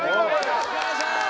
よろしくお願いします